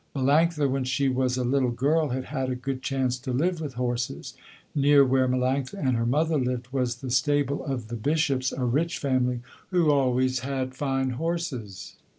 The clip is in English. Melanctha, when she was a little girl, had had a good chance to live with horses. Near where Melanctha and her mother lived was the stable of the Bishops, a rich family who always had fine horses.